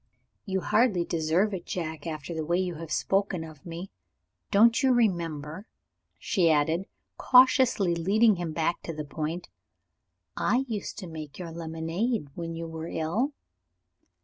"You hardly deserve it, Jack, after the way you have spoken of me. Don't you remember," she added, cautiously leading him back to the point, "I used to make your lemonade when you were ill?"